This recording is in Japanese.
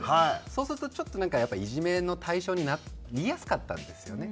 そうするとちょっとなんかやっぱりいじめの対象になりやすかったんですよね。